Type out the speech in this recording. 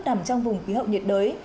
nằm trong vùng khí hậu nhiệt đới